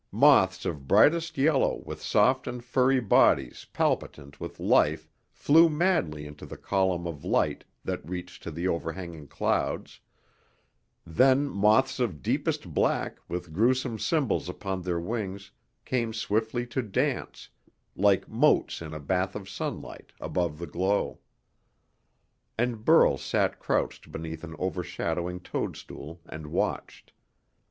Moths of brightest yellow with soft and furry bodies palpitant with life flew madly into the column of light that reached to the overhanging clouds, then moths of deepest black with gruesome symbols upon their wings came swiftly to dance, like motes in a bath of sunlight, above the glow. And Burl sat crouched beneath an overshadowing toadstool and watched.